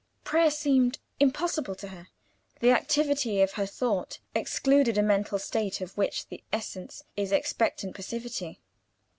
Prayer seemed impossible to her. The activity of her thought excluded a mental state of which the essence is expectant passivity.